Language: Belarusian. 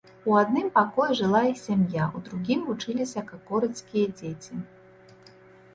У адным пакоі жыла іх сям'я, у другім вучыліся какорыцкія дзеці.